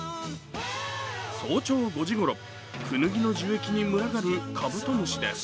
早朝５時ごろ、くぬぎの樹液に群がるカブトムシです。